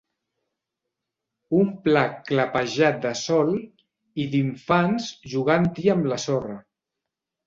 Un pla clapejat de sol i d'infants jogant-hi am la sorra.